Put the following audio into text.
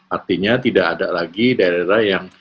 artinya tidak ada lagi daerah daerah yang